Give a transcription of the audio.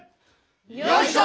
よいしょ！